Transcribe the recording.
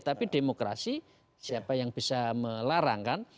tapi demokrasi siapa yang bisa melarangkan